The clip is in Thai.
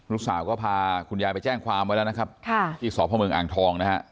ลูกสาวก็พาคุณยายไปแจ้งความไว้แล้วนะครับที่สพเมืองอ่างทองนะฮะ